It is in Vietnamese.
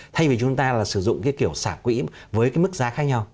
thay vì chúng ta sử dụng kiểu xả quỹ với mức giá khác nhau